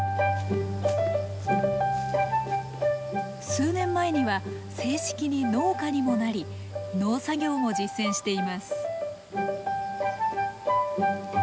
数年前には正式に農家にもなり農作業も実践しています。